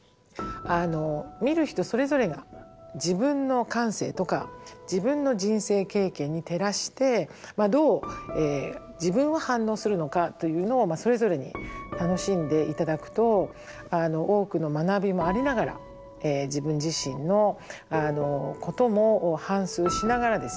見る人それぞれが自分の感性とか自分の人生経験に照らしてどう自分は反応するのかというのをそれぞれに楽しんで頂くと多くの学びもありながら自分自身のことも反すうしながらですね